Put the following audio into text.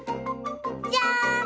じゃん！